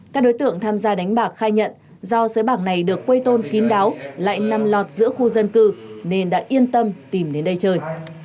các đối tượng tham gia đánh bạc khai nhận do xứ bạc này được quây tôn kín đáo lại nằm lọt giữa khu dân cư nên đã yên tâm tìm đến đây chơi